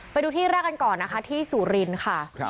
ไปดูที่แรกกันก่อนนะคะที่สุรินทร์ค่ะ